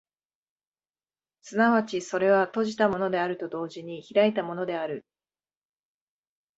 即ちそれは閉じたものであると同時に開いたものである。